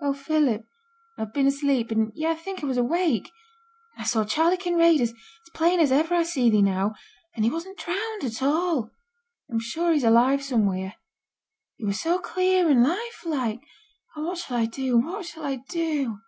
'Oh, Philip, I've been asleep, and yet I think I was awake! And I saw Charley Kinraid as plain as iver I see thee now, and he wasn't drowned at all. I'm sure he's alive somewheere; he were so clear and life like. Oh! what shall I do? what shall I do?'